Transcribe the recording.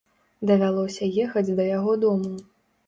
Давялося ехаць да яго дадому.